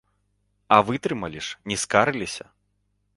А вытрымалі ж, не скарыліся!